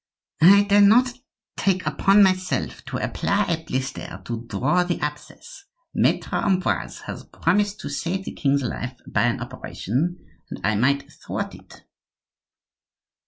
"I dare not take upon myself to apply a blister to draw the abscess. Maitre Ambroise has promised to save the king's life by an operation, and I might thwart it."